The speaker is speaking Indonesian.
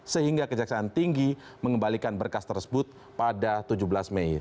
sehingga kejaksaan tinggi mengembalikan berkas tersebut pada tujuh belas mei